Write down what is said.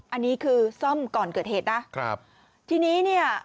อันนี้คือซ่อมก่อนเกิดเหตุนะครับทีนี้เนี่ย